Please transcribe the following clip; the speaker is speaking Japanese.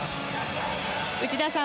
内田さん